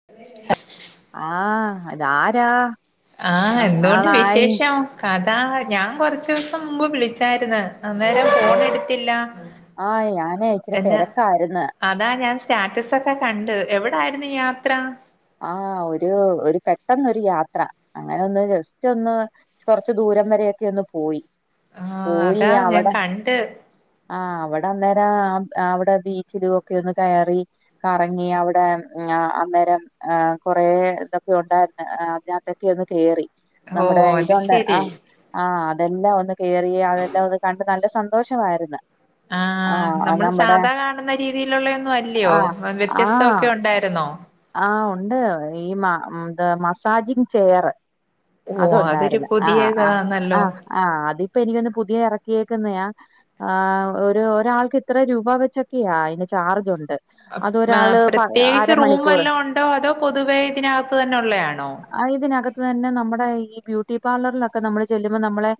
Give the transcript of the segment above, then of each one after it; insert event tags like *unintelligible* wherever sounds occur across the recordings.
*unintelligible* ആഹ് അത ആരാ? ആഹ് എന്തുണ്ട് വിശേഷം കഥ ഞാൻ കൊറച്ച ദിവസം മുമ്പ് വിളിച്ചായിര്ന്ന് അന്നേരം ഫോൺ ആഹ് എടുത്തില്ല ആഹ് ഞാനേ ഇച്ചിരി എന്ന- തിരക്കായിരുന്നു അതാ ഞാൻ സ്റ്റാറ്റസ് ഒക്കെ കണ്ട് എവിടായിരുന്നു യാത്ര? ആഹ് ഒരു ഒരു പെട്ടെന്നൊരു യാത്ര അങ്ങനെ ഒന്ന് ജസ്റ്റ് ഒന്ന് കൊറച്ച് ദൂരം വരൊക്കെ ഒന്ന് പോയി ആഹ് പോയി അതാ ഞാൻ അവിടെ കണ്ട് ആഹ് അവിടെ അന്നേരം അവിടെ ബീച്ചിലും ഒക്കെ ഒന്ന് കയറി കറങ്ങി, അവിടെ അന്നേരം ആഹ് കുറെേ ഇതൊക്കെ ഉണ്ടായിരുന്ന്, അതിനകത്തൊക്കെ ഒന്ന് കേറി ഓ നമ്മുടെ അത് ഇതൊണ്ട് ശരി ആഹ് ആഹ് അതെല്ലാം ഒന്ന് കേയറി അതെല്ലാം ഒന്ന് കണ്ട് നല്ല സന്തോഷമായിരുന്നു ആഹ് ആഹ് നമ്മള് സാധാ കാണുന്ന രീതിയിലുള്ള ഒന്നും അല്ലയോ ആഹ് ആഹ് വ്യത്യസ്തമൊക്കെ ഉണ്ടായിരുന്നോ? ആഹ്, ഉണ്ട് ഈ മ എന്താ മസാജിങ് ചെയർ ഓ അതൊരു അത്ണ്ടായിരുന്നു ആഹ് ആഹ് പുതിയതാന്നല്ലോ ആഹ് ആഹ് അതിപ്പ എനിക്കൊന്ന് പുതിയ ഇറക്കിയെക്കുന്നയാ ആഹ് ഒരു ഒരാൾക്ക് ഇത്ര രൂപ വെച്ചൊക്കെയാ അതിന് ചാർജ്ണ്ട് ങ്ങ, പ്രത്യേകിച്ച് റൂം വല്ലോ ഉണ്ടോ അതോ പൊതുവേ ഇതിനകത്ത് തന്നെ ഉള്ളെയാണോ ആഹ് ഇതിനകത്ത് തന്നെ നമ്മടെ ഈ ബ്യൂട്ടി പാർലറിലൊക്കെ നമ്മള് ചെല്ലുമ്പൊ നമ്മളെ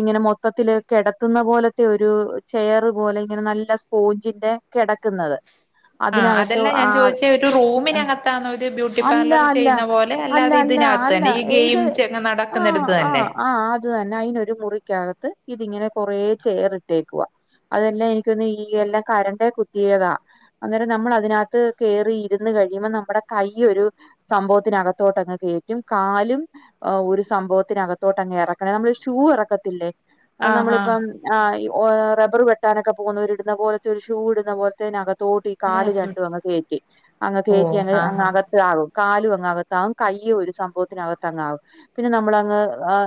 ഇങ്ങനെ മൊത്തത്തില് കെടത്തുന്ന പോലത്തെയൊരു ചെയർ പോലെ ഇങ്ങനെ നല്ല സ്പോഞ്ചിന്റെ കെടക്കുന്നത് ആഹ് അതല്ല ഞാൻ ചോയിച്ചേ ഒരു റൂമിനക ത്താന്നോ ഇത് ബ്യൂട്ടി അല്ല പാർലർ അല്ല ചെയ്യുന്ന പോലെ അല്ല അല്ലാതെ അല്ല അല്ല ഇതിനകത്ത്തന്നെ ഈ ഇത് ഗെയിം ചെ നട ക്കുന്നെടത്ത് തന്നെ ത്ത്തന്നെ അയിനൊരു മുറിക്കകത്ത് ഇതിങ്ങനെ കൊറേ ചെയറിട്ടേക്കുവാ അതെല്ലാം എനിക്കോന്നുന്നു ഈ എല്ലാം കറന്റെ കുത്തിയതാ അന്നേരം നമ്മള് അതിനകത്ത് കേറി ഇരുന്ന് കഴിയുമ്പൊ നമ്മുടെ കയ്യൊരു സംഭവത്തിനകത്തോട്ടങ്ങ് കേറ്റും കാലും ആഹ് ഒരു സംഭവത്തിനകത്തോട്ടങ്ങെറക്കണം നമ്മള് ഷൂ എറക്കത്തില്ലേ ആഹ് ആഹ് നമ്മളിപ്പം ആഹ് ഈ റബ്ബർ വെട്ടാനൊക്കെ പോകുന്നവരിടുന്ന പോലത്തെഒ രു ഷൂ ഇടുന്ന പോലത്തയിനക ത്തോട്ടി കാല് അതിനകത്ത് രണ്ടും അങ്ങ് കേറ്റി അങ്ങ് ഓഹ് കേറ്റിയങ്ങ് ആഹ് ആഹ് ത്താകും കാലു അങ്ങകത്താകും കയ്യു ഒരു സംഭവത്തിനകത്തങ്ങാകും പിന്നെ നമ്മളങ്ങ്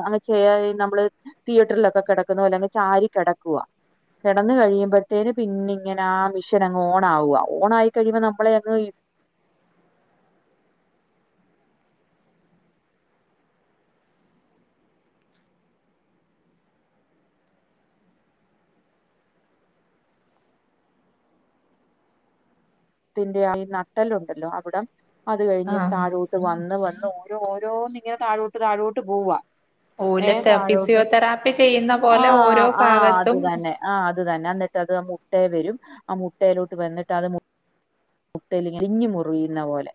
അങ്ങ് ചെയ്യാ നമ്മള് തിയറ്ററിലൊക്കെ കെടക്കുന്നപോലങ്ങ് ചാരി കെടക്കുവാ കെടന്ന് കഴിയുമ്പഴത്തേന് പിന്നിങ്ങനാ മിഷിനങ്ങ് ഓണാവുആ ഓണായിക്കഴിയുമ്പൊ നമ്മളെയങ്ങ് ത്തിന്റെ ഈ നട്ടെല്ലുണ്ടല്ലോ അവിടം അത്കഴിഞ്ഞ് ആഹ് താഴോ ട്ട് വന്ന് വന്ന് ഓരോ ഓരോന്നിങ്ങനെ താഴോട്ട് താഴോട്ട് പോവ ഏ ഓലത്തെ താഴോട്ട് ഫിസിയോതെറാപ്പി ചെയ്യുന്ന ആ പോലെ ഓരോ ആ അത് ഭാഗത്തും തന്നെ ആ അത് തന്നെ എന്നിട്ടത് അത് മുട്ടേ വെരും ആ മുട്ടേലോട്ട് വന്നിട്ടത് മുട്ടേലിങ്ങനെ *unintelligible* മുറിയുന്ന പോലെ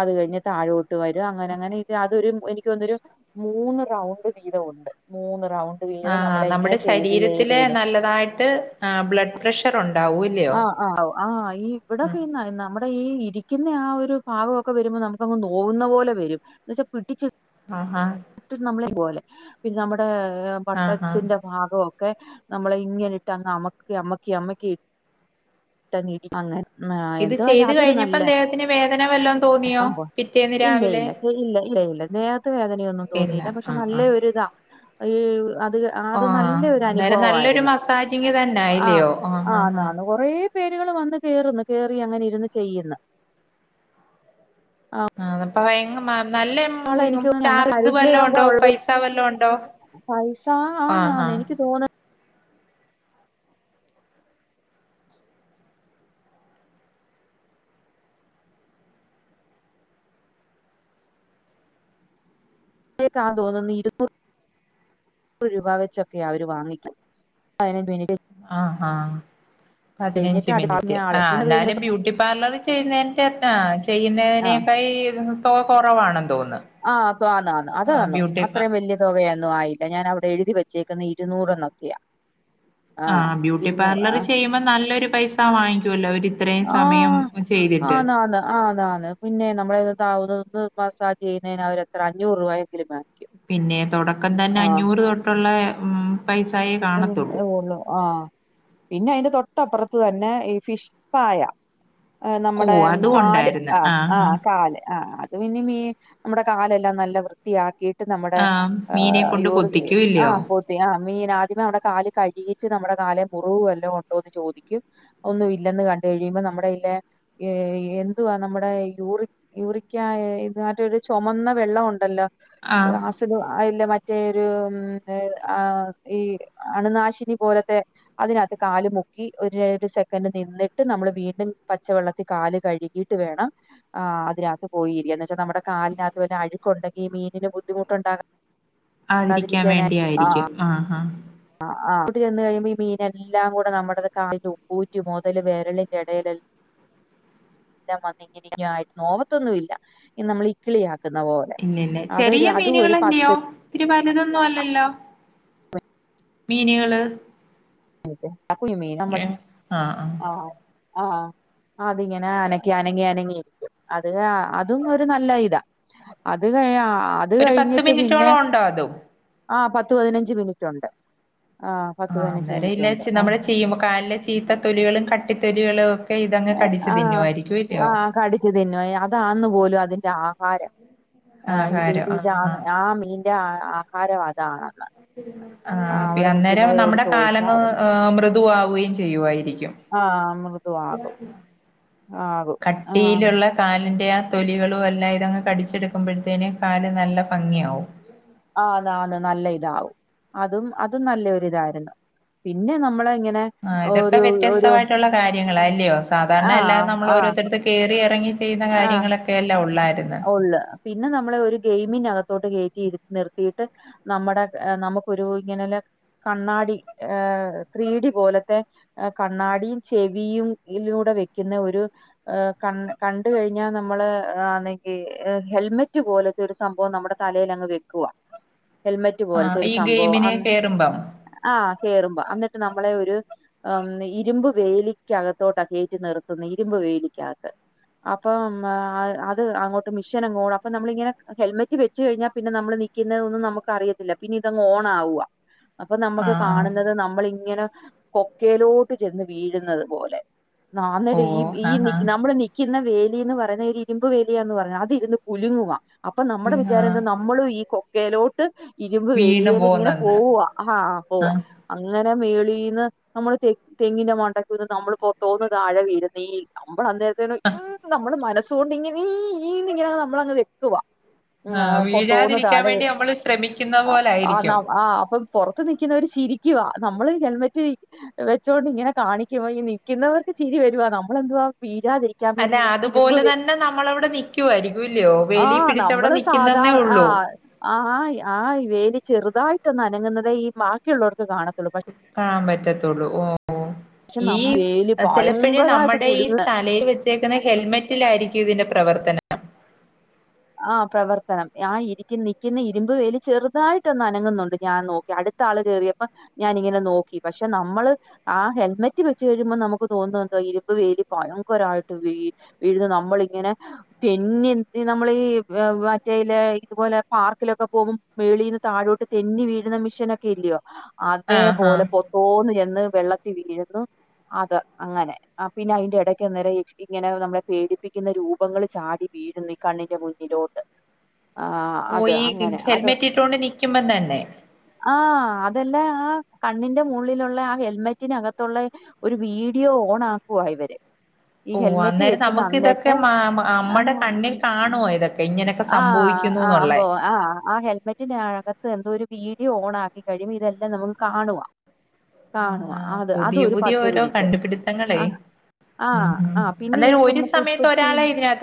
അത് കഴിഞ്ഞ് താഴോട്ട് വരും അങ്ങനങ്ങനെ അതൊരു എനിക്കോന്നൊരു മൂന്ന് റൗണ്ട് വീതമുണ്ട് മൂന്ന് റൗണ്ട് ആ വീതം നമ്മളെ ഇങ്ങനെ നമ്മുടെ ചെയ്ത് ചെയ്ത് ശരീരത്തില് വിടും നല്ലതായിട്ട് ആ ബ്ലഡ്പ്രഷറുണ്ടാവൂ ആ ആ ഉ ആ ഈ ഇവിടൊക്കീ ന നമ്മടീ ഇരിക്കുന്നാ ഒരു ഭാഗൊക്കെ വെരുമ്പൊ നമുക്കങ്ങ് നോവുന്ന പോലെ വെരും *unintelligible* പിടിച്ച് ആഹാ *unintelligible* നമ്മളേംപോലെ പിന്നെ നമ്മടെ ആഹ് ആഹ് ബട്ടൻസിന്റെ ഭാഗം ക്കെ നമ്മളെ ഇങ്ങനെയിട്ടങ്ങ് അമക്കിയമക്കിയമക്കി ട്ടങ്ങി അങ് ഇത് ചെയ്ത് കഴിഞ്ഞപ്പം ദേഹത്തിന് വേദന വല്ലോം തോന്നിയോ പി ഇല്ലയില്ല ഇല്ലഇല്ല ദേഹത്ത് വേദനയൊന്നും ഇല്ല തോന്നിയില്ല പക്ഷെ ആഹ് ആഹ് നല്ലയൊരിതാ ഈ അത് അത് ആഹ് നല്ല അന്നേരം നല്ലൊരു ഒരനുഭവായിരുന്ന് മസാജിങ് തന്നെ ആഹ് ആയില്ലയോ ആഹ് ആഹ് ആന്ന്ആന്ന് കൊറേ പേര്കള് വന്ന് കേറ്ന്ന് കേറിയങ്ങനിരുന്ന് ചെയ്യ്ന്ന് ആന്നപ്പൊ ഭയ നല്ല നാളെ എനിക്ക് തോന്നുന്നു ചാർജ് വിജയം വല്ലോണ്ടോ പൈസ വല്ലോണ്ടോ പൈസ ആന്ന്ആന്ന് എനിക്ക് തോന്ന് *unintelligible* ക്കാ തോന്ന്ന്ന് ഇര്പ്പ് റ് രൂപ വെച്ചൊക്കെയാ അവര് വാങ്ങിക്കുന്നെ പതിനഞ്ച് മിനി ആഹാ പതിനഞ്ച് കഴിഞ്ഞിട്ട് അടുത്ത ആള് മിനിറ്റ് ഇങ്ങനെ ആള്. ആ പിന്നെ അത് ന്നാലും കഴിഞ്ഞിട്ട് ബ്യൂട്ടി പാർലറി ചെയ്യുന്നയിന്റെ ആ ആ. ചെയ്യുന്നതിനേക്കായി തോ കൊറവാണെന്ന് തോന്ന് ആ അപ്പ ആന്ന്ആന്ന് അത്ആന്നു അത്രേം വെല്യ തുകയൊന്നായില്ല ഞാൻ അവടെ എഴുതി വെച്ചേക്കുന്നെ ഇരുന്നൂറ്ന്നൊക്ക്യാ ആ ബ്യൂട്ടി പാർലറി ചെയ്യുമ്പൊ നല്ലൊരു പൈസ വാങ്ങിക്കുവല്ലോ അവര് ത്രേം സമയം ചെയ്തിട്ട് ആന്ന്ആന്ന് പിന്നെ നമ്മളേ താവുന്നതന്ന് മസാജ് ചെയ്യുന്നതിനവരെത്ര അഞ്ഞൂറ് രൂപയെങ്കിലും വേണം പിന്നെ തൊടക്കം തന്നെ അഞ്ഞൂറ് തൊട്ടുള്ള പൈസായേ കാണത്തുള്ളൂ ഉള്ളു ആഹ് പിന്നെ അയ്ന്റെ തൊട്ടപ്പർത്ത് തന്നെ ഈ ഫിഷ് പായ ആ ഓ നമ്മുടെ അതും കാല് ഉണ്ടായിരുന്നു ആ ആഹ് കാല് ആ പിന്നും ഈ നമ്മുടെ കാലെല്ലാം നല്ല വൃ ത്തിയാക്കിട്ട് നമ്മുടെ ആഹ് മീനെ കൊണ്ട് യൂറി കൊത്തിക്കും ആ ഇല്ലയോ പോത്തി ആ മീന പിന്നെ അവടെ കാല് കഴുകിച്ച് നമ്മടെ കാലെ മുറിവ് വല്ലോം ഉണ്ടോന്ന് ചോദിക്കും ഒന്നും ഇല്ലെന്ന് കണ്ട് കഴിയുമ്പോ നമ്മുടെ ഇല്ലെ എന്തുവാ നമ്മുടെ യൂറി യുറിക്കായ ഇത് മറ്റൊരു ചൊമന്ന വെള്ളം ഉണ്ടല്ലോ ആഹ് ആസിഡ് അയില്ല മറ്റേരു ആ ഈ അണുനാശിനി പോലത്തെ അതിനാത്ത് കാല് മുക്കി ഒരു ഒരു സെക്കൻഡ് നിന്നിട്ട് നമ്മള് വീണ്ടും പച്ചവെള്ളത്തിൽ കാല് കഴികി കിട്ട് വേണം ആ അതിനാത്ത് പോയിരിക്കാൻ ന്താ ച്ചാ നമ്മടെ കാലിനത്ത് വല്ലഴുക്കുണ്ടെങ്കി മീനിന് ബുദ്ധിമുട്ടുണ്ടാ ആയിരിക്കാൻ വേണ്ടി ആയിരിക്കും ആ ആ ആ കൂട്ടി ചേല് കഴിയുമ്പോ ഈ അ ആഹ് *unintelligible* ഈ മീനെല്ലാം കൂടെ നമ്മട ത കാൽന്റെ ഉപ്പൂറ്റി മൊതല് വിരലിന്റെടേലെൽ ഉ *unintelligible* ല്ലം വന്നിങ്ങനക്കായി നോവത്തൊന്നു ഇല്ല ഇ നമ്മ ളിക്കിളിയാക്കുന്ന ഓ ഇല്ല ഇല്ല ചെറിയ മീനുകളല്ലയോ ഒത്തിരി വലുതൊന്നും അല്ലല്ലോ മീന്കള് *unintelligible* ആഹ് ആഹ് അതിങ്ങനെ അനക്കെ അനങ്ങി അനങ്ങി അത് അതുംന്ന ഒരു നല്ല ഇതാ അത് കഴി അത് ഒരു പത്ത് കഴിഞ്ഞിട്ട് പിന്നെ മിനിറ്റോളം ഉണ്ടോ അതും ആഹ് പത്ത് പതിനഞ്ച് മിനിറ്റുണ്ട് ആ പത്ത് പതിനഞ്ച് മിനി ല്ലച്ച്‌ നമ്മള് ചെയ്യുമ്പോ കാലിലെ ചീത്തത്തൊലികളും കട്ടിത്തൊലികളു ക്കെ ഇതങ്ങ് കടിച്ച് തിന്നു ആയിരിക്കും ഇല്ലോ ച്ച് തിന്നുഎ അതാന്ന് പോലും അതിന്റെ ആഹാരം ഏ ഇത് ആഹാരം ആഹ് ഇതിതാന് ആഹ് ആ മീൻ ന്റെ ആ ആഹാരം അതാണെന്ന് ആ ആഹ് പ്പി അവിടെ അന്നേരം നിൽക്കുന്നവരോട് നമ്മുടെ കാലങ്ങ് ചോദിച്ചായിരുന്നു ഏ മൃദു ആവുകയും ചെയ്യു ആയിരിക്കും ആഹ് മൃദുവാകും ആകും ആ കട്ടീലുള്ള കാലിന്റെ ആ തൊലികളു എല്ലാ ഇതങ്ങ് കടിച്ചെടുക്കുമ്പോഴത്തേന് കാല് നല്ല ഭംഗിയാവും ആനാന് നല്ല ഇതാവും അതും അതും നല്ലൊ ഇതാരുന്നു പിന്നെ നമ്മളിങ്ങനെ ആഹ് ഇതൊക്കെ വ്യത്യസ്ത ഒരു വായിട്ടുള്ള കാര്യങ്ങള അല്യോ സാധാരണ അല്ലാതെ ആഹ് ആഹ് നമ്മളോരോരുത്തരുത്ത കേറി എറങ്ങി ചെയ്യുന്ന കാര്യങ്ങളൊക്കെയ അല്ലെ ഉള്ളായിരുന്ന ഉള്ള പിന്നെ നമ്മളെ ഒരു ഗെയിമിനകത്തോട്ട് കയറ്റി ഇര് നിർത്തിയിട്ട് നമ്മുടെ എ നമുക്കൊരു ഇങ്ങനെല്ല കണ്ണാടി ഏ ത്രീഡി പോലത്തെ എ കണ്ണാടിയും ചെവിയും യിലൂടെ വെക്കുന്ന ഒരു ഏ കൺ കണ്ട് കഴിഞ്ഞാ നമ്മള് *unintelligible* ഈ എ ഹെൽമെറ്റ് പോലത്തെ ഒരു സംഭവം നമ്മുടെ തലേലങ്ങ് വെക്കുവാ ഹെൽമെറ്റ് ആ പോലത്തെ ഒരു ഈ സംഭവം ഗെയിമിന് അന്ന് കേറുമ്പം ആഹ് കേറുമ്പോ എന്നിട്ട് നമ്മളെ ഒരു അം ന്നി ഇരുമ്പ് വേലിക്കകത്തോട്ട കേറ്റി നിർത്തുന്ന ഇരുമ്പ് വേലിക്കകത്ത്. അപ്പം അഅ് അത് അങ്ങോട്ട് മിഷ്യനങ്ങോടും അപ്പൊ നമ്മളിങ്ങനെ ഹെൽമെറ്റ് വെച്ച് കഴിഞ്ഞാ പിന്നെ നമ്മള് നിക്കുന്നതൊന്നും നമുക്കറിയത്തില്ല പിന്നെതങ്ങോണാവാ അപ്പൊ ആ നമ്മുക്ക് ആ കാണുന്നത് നമ്മളിങ്ങനെ കൊക്കേലോട്ട് ചെന്ന് വീഴുന്നത് പോലെ ഓ നാന്നര് ഈ ഈ ആ ആ നിക് നമ്മള് നിക്കുന്ന വേലിന്ന് പറയുന്ന ഒരിരുമ്പ് വേലിയാന്ന് പറ അതിരുന്ന് പുലുങ്ങുക അപ്പൊ നമ്മുടെ ആ വിചാരം ന്താ നമ്മളും ഈ കൊക്കേലോട്ട് ഇരുമ്പ് വീണ് വേലിയേല് ങ്ങനെ പോന്നന്ന് പോവുവാ അഹഹ ആ പോവാ അങ്ങനെ മേളീന്ന് നമ്മള് തെ തെങ്ങിന്റെ മണ്ടക്ക് നിന്ന് നമ്മൾ പൊത്തോന്ന് താഴെ *unintelligible* നമ്മള് *unintelligible* നമ്മുടെ മനസ്സുകൊണ്ട് ഇങ്ങനെ ഇഇ ങ്ങന നമ്മളങ് വ ത്തുവ ങ ആ പൊത്തോന്ന് വീഴാതിരിക്കാൻ താഴെ വേണ്ടി നമ്മള് ശ്രമിക്കുന്ന അ ആ ന പോലായിരിക്കും ആ അപ്പം പൊറത്ത് നിക്കുന്നവര് ചിരിക്കുവാ നമ്മള് ഹെൽമെറ്റ് വെച്ചോണ്ടിങ്ങനെ കാണിക്കുവാ ഈ നിക്കുന്നവർക്ക് ചിരി വെരുവാ നമ്മളെന്തുവാ വീരാതിരി ക്കാൻ അല്ല വേണ്ടി ഈ ഇരുമ്പ് അതുപോലെ വെ തന്നെ നമ്മളവിടെ നിക്കു ആയിരിക്കൂല്ല്യോ ആ വേലി പിടിച്ചവടെ നിക്കുന്നന്നേ ഉള്ളൂ ആയ് ആയ് വേലി ചെറുതായിട്ടൊന്നനങ്ങുന്നതേ ഈ ബാക്കിള്ളോർക്ക് കാണത്തുള്ളൂ പ കാണാൻ പറ്റത്തുള്ളൂ ഓ ഓ പക്ഷെ ഈ നമ്മ വേലി ചെലപ്പഴ് ഭയങ്കരായിട്ട് നമ്മടെ ഈ കുലുങ്ങുന്ന തലേല് വെച്ച് ച്ചേക്ക്ന്ന ഹെൽമെറ്റിലായിരിക്കും ഇതിന്റെ പ്രവർത്തനം ആ പ്രവർത്തനം ഞാൻ ഇരിക്ക് നിക്ക്ന്ന ഇരുമ്പ് വേലി ചെറുതായിട്ടൊന്നനങ്ങുന്നുണ്ട് ഞാൻ നോക്കി അട് ത്താള് കേറിയപ്പം ഞാനിങ്ങനെ നോക്കി പക്ഷെ നമ്മള് ആ ഹെൽമെറ്റ് വെച്ച് വെരുമ്പോം നമക്ക് തോന്നുന്നതെന്തോ ഇരുമ്പ് വേലി ഭയങ്കരായിട്ട് വേ വീഴ്ന്ന് നമ്മളിങ്ങനെ തെന്നി *unintelligible* നമ്മളീ മറ്റേലേ ഇതുപോലെ പാർക്കിലൊക്കെ പോവും മേളീന്ന് താഴോട്ട് തെന്നി വീഴുന്ന മിഷീനൊക്കെ ഇല്ലയോ, ആഹ് അതേപോലെ ആഹ് പൊത്തോന്ന് ചെന്ന് വെള്ളത്തി വീഴുന്നു. അത് അങ്ങനെ. ആ പിന്നെ അയ്ന്റെ എടക്ക് അന്നേരം ഇങ്ങനെ നമ്മളെ പേടിപ്പിക്കുന്ന രൂപങ്ങള് ചാടി വീഴ്ന്നെ. കണ്ണിന്റെ മുന്നിലോട്ട്. ആഹ്, ഓ അത് ഈ അങ്ങനെ അത് ഹെൽമെറ്റ് ഇട്ടോണ്ട് നിക്കുമ്പം തന്നെ ആഹ് അതല്ല ആ കണ്ണിന്റെ മുള്ളിലുള്ള ആ ഹെൽമെറ്റിനകത്തുള്ള ഒരു വീഡിയോ ഓണ് ആക്കുവ ഇവര്. ഈ ഓഹ് ഹെൽമെറ്റ് അന്നേരം വെച്ച് നമ്മക്ക് ഇതൊക്കെ തന്നിട്ട് മാ മാ നമ്മടെ അങ്ങ് ഉം കണ്ണിൽ കാണ് ണോ ഇതൊക്കെ ഇങ്ങനെക്കെ സംഭവിക്കുന്നുന്നുള്ളേ. ആഹ് ആ ഹെൽമെറ്റിന്റെ അകത്ത് എന്തോ ഒരു വീഡിയോ ഓണ് ആക്കി കഴിയുമ്പോ ഇതെല്ലാം നമക്ക് കാണുവ. കാണുവാ ആഹ് അത്, അത് പുതിയ ഒരു പുതിയ പത്ത് ഓരോ മിനിറ്റ് കണ്ടുപിടുത്തങ്ങളേ ആഹ്, ഉം ആഹ്, ഉം ആഹ് പിന്നെ ഈ ചുമ്മ *unintelligible*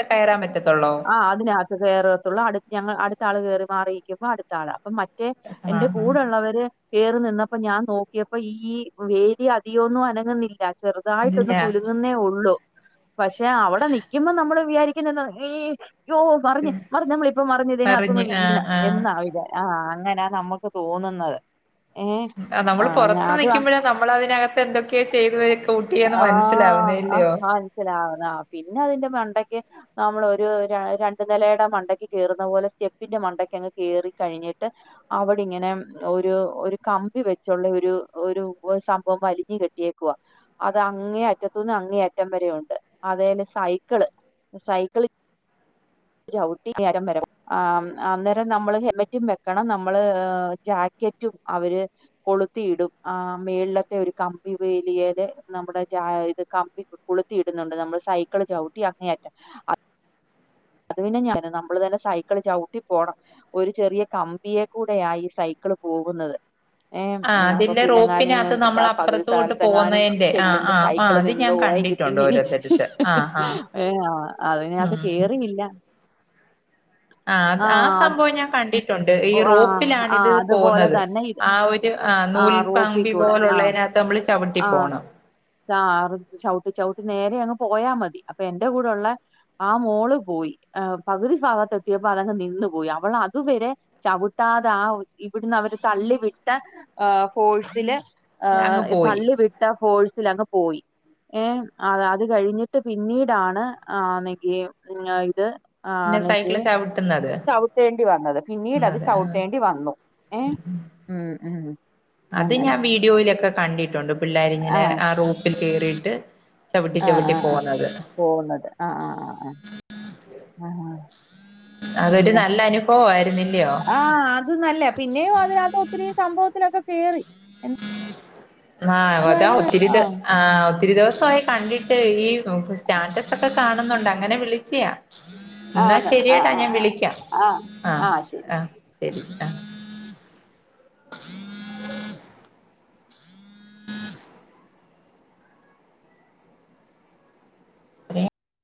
കേറാൻ പറ്റത്തൊള്ളോ ആഹ്, അതിനകത്ത് കേറത്തൊള്ളൂ അടു ഞങ്ങ അടുത്ത ആള് കേറും മാറിയിരിക്കുമ്പോ അടുത്താള് അപ്പം മ റ്റെ ആഹ് എന്റെ ആഹ് കൂടെ ഇള്ളവര് കേറി നിന്നപ്പോ ഞാൻ നോക്കിയപ്പോ ഈ വേലി അതികൊന്നും അനങ്ങുന്നില്ല. ഇല്ല ചെറ്തായിട്ടൊന്ന് കുലുങ്ങുന്നേ ഒള്ളൂ പക്ഷെ, അവിടെ നിക്കുമ്പോ നമ്മള് വിചാരിക്കുന്നന്നെ ഏഹ്, അയ്യോ മറിഞ്ഞ്, മറിഞ്ഞ് നമ്മളിപ്പ മറിഞ്ഞ് ഇതിനകത്തൂന്ന് അറിഞ്ഞ് വീണ് ആഹ് ആഹ് എന്നാ വിചാ ആഹ്, അങ്ങനാ നമ്മക്ക് തോന്നുന്നത്. ഏ ആഹ് ആ നമ്മള് പൊറത്ത് അത് നിക്കുമ്പഴാ നമ്മള് അതിനകത്ത് എന്തൊക്കെയോ ചെയ്ത് വേ കൂട്ടിയേന്ന് മനസ്സിലാവുന്നെ അല്ലെയോ. സ്സിലാവുക പിന്നെ, അതിന്റെ മണ്ടക്കെ നമ്മളൊ ഒരു ര രണ്ടു നിലേടെ മണ്ടക്ക് കേറുന്ന പോലെ സ്റ്റെപ്പിന്റെ മണ്ടക്കങ്ങ് കേറി കഴിഞ്ഞിട്ട് അവടിങ്ങനെ ഒരു ഒരു കമ്പി വെച്ചുള്ള ഒരു ഒരു സംഭവം വലിഞ്ഞ് കെട്ടിയേക്കുവാ. അത് അങ്ങേ അറ്റത്തുന്ന് അങ്ങേ അറ്റം വരെയുണ്ട്. അതേല് സൈക്കിള് സൈ ക്കിളി ചവിട്ടി *inaudible* ആം അന്നേരം നമ്മള് ഹെൽമെറ്റും വെക്കണം നമ്മള് ഏഹ് ജാക്കറ്റും അവര് കൊളുത്തിയിടും ആ മേള്ലത്തെ ഒരു കമ്പിവേലിയേല് നമ്മുടെ ജാ ഇത് കമ്പി കൊളുത്തി ഇടുന്നുണ്ട് നമ്മള് സൈക്കിള് ചവിട്ടി അങ്ങേയറ്റം അ അത് പിന്നെ ഞാൻ നമ്മള് തന്നെ സൈക്കള് ചവിട്ടി പോണം. ഒര് ചെറിയ കമ്പിയെ കൂടെയാ ഈ സൈക്കിള് പോകുന്നത്. ആം ആ അപ്പൊ അതിലെ പിന്നെങ്ങാനും റോപ്പിനകത്ത് എന്ത്‌ നമ്മൾ പകുതി അപ്പുറത്തോട്ട് സ്ഥലത്ത്ങ്ങാനും പോകുന്നതിന്റെ ആ ചെല്ലുമ്പോ ആ ആ സൈക്കിള് അത് നിന്ന് ഞാൻ പോയെങ്കിൽ കണ്ടിട്ടുണ്ട് പിന്നെ ഇനി ഹ് ഓരോരുത്തടുത്ത് ഹ് ആ ആ ഹ് ഏഹ് അതിനകത്ത് ഉം കേറിയില്ല. ആഹ് ആ സംഭവം ഞാൻ കണ്ടി ട്ടുണ്ട് ഈ ഓ ആ ആ റോപ്പിലാണിത് അതുപോലെ പോവുന്നത് തന്നെ ഇത് ആ ഒരു ആഹ് ആ റോപ്പിൽ നൂൽകമ്പി കൂടെ ആ പോലുള്ളേന ത്ത് നമ്മള് ചവിട്ടി ആ പോണം. *unintelligible* ചവിട്ടി ചവിട്ടി നേരെ അങ്ങ് പോയാ മതി അപ്പ എന്റെ കൂടെ ഉള്ളെ ആ മോള് പോയി ഏഹ് പകുതി ഭാഗത്തെ എത്തിയപ്പോ അതങ്ങ് നിന്നു പോയി അവള് അതുവരെ ചവിട്ടാതെ ആ ഇവിടുന്ന് അവര് തള്ളി വിട്ട ആഹ് ഫോഴ്സില് അങ്ങ് ആഹ് പോയി തള്ളി വിട്ട ഫോയ്‌സ്ൽ അങ്ങ് പോയി. ആം അത് അത് കഴിഞ്ഞിട്ട് പിന്നീടാണ് *inaudible* പിന്നെ ഇത് പിന്നെ ആണെങ്കി സൈക്കിള് ചവിട്ടുന്നത് ചവിട്ടേണ്ടി വന്നത് പിന്നീട അതെ ആ ചവിട്ടേണ്ടി വന്നു ഏ മ് മ് അത് അങ്ങനെ ഞാൻ വീഡിയോയിലൊക്കെ കണ്ടിട്ടുണ്ട് പിള്ളേരി ങ്ങനെ ആ റൂപ്പിൽ കേറിയിട്ട് ചവിട്ടി ചവിട്ടി പോവുന്നത് പോവുന്നത് അ അ അ ആ ആ അതൊരു പിന്നെ നല്ല അനുഭവയിരുന്നു അല്ലയോ ആ അത് നല്ല പിന്നെയും അതിനകത്ത് ഒത്തിരി സംഭവത്തിലൊക്കെ കേറി ആ വതാ എന്തായാലും ന ഒത്തിരി ദ ആ ഒത്തിരി ദിവസായി കണ്ടിട്ട് ഈ ആ സ്റ്റാറ്റസ് ഒക്കെ കാണുന്നുണ്ട് അങ്ങനെ വിളിച്ചിയാ എന്നാ ആന്ന്. ആ, ശരിയട്ട ആ, ഞാൻ വിളിക്കാം ആ. ആ. അ ശരി, ആ ശരി. ശരി ആ